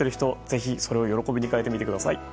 ぜひそれを喜びに変えてみてください。